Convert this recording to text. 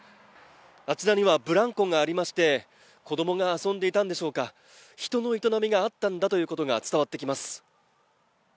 あちらにはブランコがありまして、子供が遊んでいたんでしょうか、人の営みがあったんだということが伝わってきます。